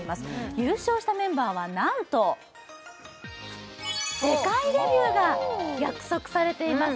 優勝したメンバーはなんと世界デビューが約束されています